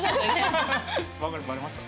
バレました？